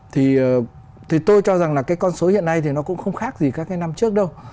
thì tôi cho rằng là cái con số hiện nay thì nó cũng không khác gì các cái năm trước đâu